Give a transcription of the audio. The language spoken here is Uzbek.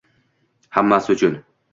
Hammasi uchun.